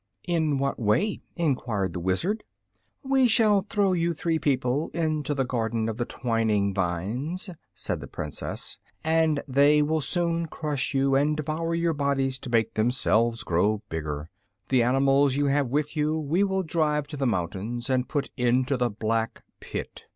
"In what way?" enquired the Wizard. "We shall throw you three people into the Garden of the Twining Vines," said the Princess, "and they will soon crush you and devour your bodies to make themselves grow bigger. The animals you have with you we will drive to the mountains and put into the Black Pit.